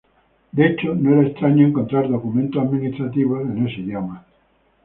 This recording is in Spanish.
De hecho, no era extraño encontrar documentos administrativos en ese idioma.